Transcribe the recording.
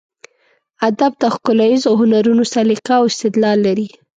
ادب د ښکلاییزو هنرونو سلیقه او استدلال لري.